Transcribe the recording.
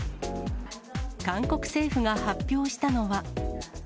韓国政府が発表したのは。